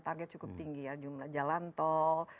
target cukup tinggi ya jumlah jalan tol